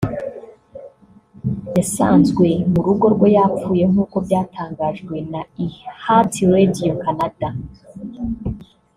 yasanzwe mu rugo rwe yapfuye nk’uko byatangajwe na iHeartRadio Canada